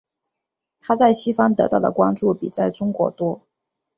她在西方得到的关注比在中国多。